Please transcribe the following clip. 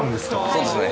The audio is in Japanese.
そうですね。